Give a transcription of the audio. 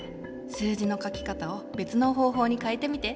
数字の書き方を別の方法に変えてみて。